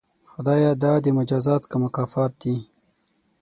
خدایه دا دې مجازات که مکافات دي؟